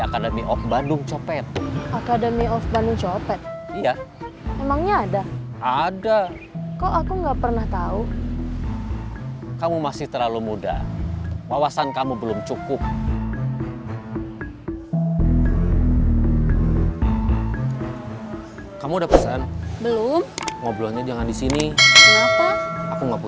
aku harus bersilap